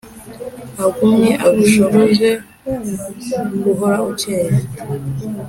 agumye agushoboze guhora ukeye